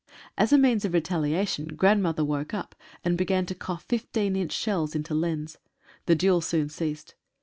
As a means of retaliation "Grandmother" woke up, and began to cough 15 inch shells into Lens. The duel soon ceased.